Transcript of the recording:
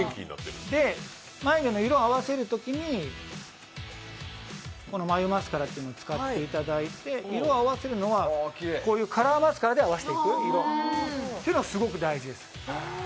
眉毛の色を合わせるときに眉マスカラというのを使っていただいて色合わせるのはカラーマスカラで合わせていくのがすごく大事です。